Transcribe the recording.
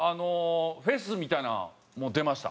フェスみたいなのも出ました。